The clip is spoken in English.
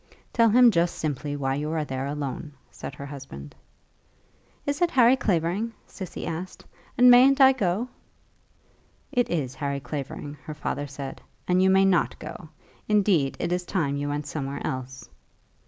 "Tell him just simply why you are there alone," said her husband. "Is it Harry Clavering?" Cissy asked, "and mayn't I go?" "It is Harry Clavering," her father said, "and you may not go. Indeed, it is time you went somewhere else."